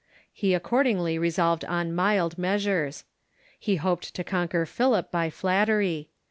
He accord ingly resolved on mild measures. He hoped to conquer Philip by flattery.